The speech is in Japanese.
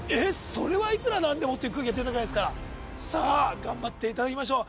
それはいくらなんでもって空気が出たぐらいですからさあ頑張っていただきましょう